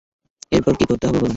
এরপর কি করতে হবে বলুন?